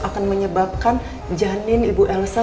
akan menyebabkan janin ibu elsa